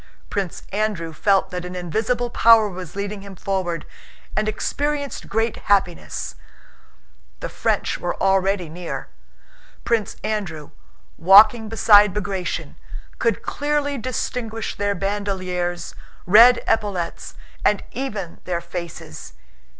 Prince Andrew felt that an invisible power was leading him forward, and experienced great happiness. The French were already near. Prince Andrew, walking beside Bagratión, could clearly distinguish their bandoliers, red epaulets, and even their faces.